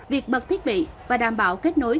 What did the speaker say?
việc bật thiết bị và đảm bảo kết nối